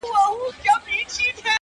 كه ملاقات مو په همدې ورځ وسو ـ